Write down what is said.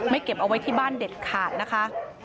เก็บเอาไว้ที่บ้านเด็ดขาดนะคะ